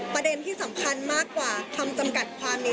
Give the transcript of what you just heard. ประเด็นที่สำคัญมากกว่าคำจำกัดความนี้